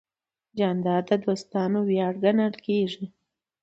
جانداد د دوستانو ویاړ ګڼل کېږي.